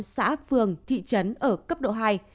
hai trăm bảy mươi tám xã phường thị trấn ở cấp độ hai